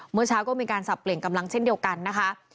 เมื่อเช้าก็มีการสับเปลี่ยนกำลังเช่นเดียวกันนะคะ